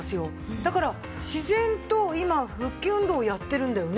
だから自然と今腹筋運動をやってるんだよね。